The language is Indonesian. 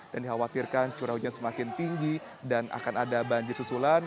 dan dikhawatirkan curah hujan semakin tinggi dan akan ada banjir susulan